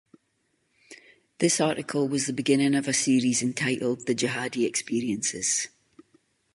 This article was the beginning of a series entitled "The Jihadi experiences".